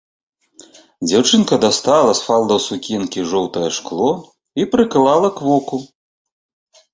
Дзяўчынка дастала з фалдаў сукенкі жоўтае шкло і прыклала к воку.